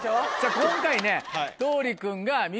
今回ね。